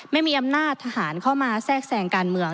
ไม่มีอำนาจทหารเข้ามาแทรกแทรงการเมือง